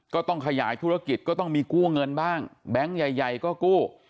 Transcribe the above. ก็ต้องขยายธุรกิจก็ต้องมีกู้เงินบ้างแบงค์ใหญ่ก็กู้